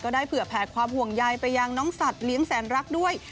ได้เผื่อแผ่ความห่วงใยไปยังน้องสัตว์เลี้ยงแสนรักด้วย